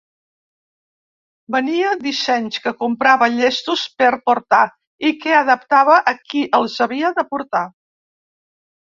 Venia dissenys que comprava llestos per portar, i que adaptava a qui els havia de portar.